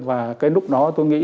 và cái lúc đó tôi nghĩ